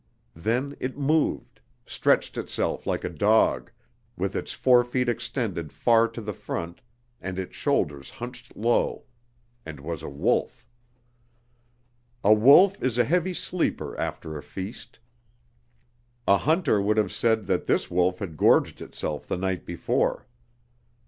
Then it moved, stretched itself like a dog, with its forefeet extended far to the front and its shoulders hunched low and was a wolf. A wolf is a heavy sleeper after a feast. A hunter would have said that this wolf had gorged itself the night before.